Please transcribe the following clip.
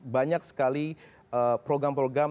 banyak sekali program program